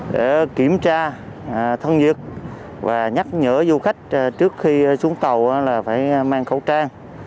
để kiểm tra thân nhiệt và nhắc nhở du khách trước khi xuống tàu là phải mang khẩu trang